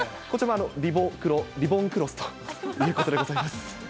こちら、リボクロ、リボーンクロスということでございます。